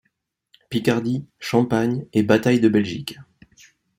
Picardie, Champagne et bataille de Belgique.